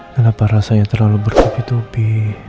kenapa rasanya terlalu bertupi tupi